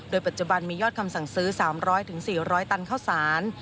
ปัจจุบันมียอดคำสั่งซื้อ๓๐๐๔๐๐ตันเข้าสาร